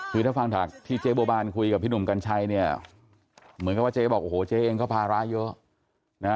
คือถ้าฟังจากที่เจ๊บัวบานคุยกับพี่หนุ่มกัญชัยเนี่ยเหมือนกับว่าเจ๊บอกโอ้โหเจ๊เองก็ภาระเยอะนะ